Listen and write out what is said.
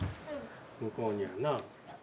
向こうにはな。